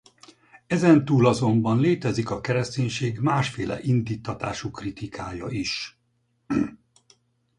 Ezen túl azonban létezik a kereszténység másféle indíttatású kritikája is.